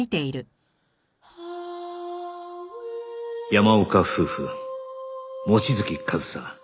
山岡夫婦望月和沙